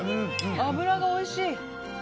脂がおいしい！